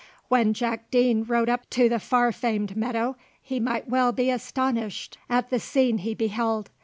When Jack Deane rode up to the far famed meadow, he might well be astonished at the scene he beheld.